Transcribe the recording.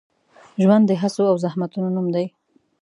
ژوند د هڅو او زحمتونو نوم دی.